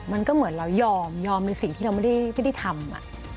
มันก็เหมือนเรายอมยอมในสิ่งที่เราไม่ได้ทำ